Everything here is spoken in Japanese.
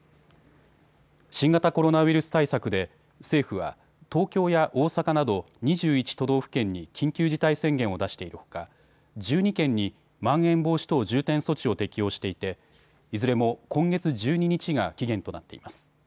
新型コロナウイルス対策で政府は東京や大阪など２１都道府県に緊急事態宣言を出しているほか１２県にまん延防止等重点措置を適用していていずれも今月１２日が期限となっています。